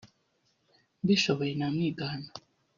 mbishoboye namwigana